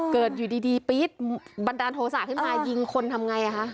อยู่ดีปี๊ดบันดาลโทษะขึ้นมายิงคนทำไงคะ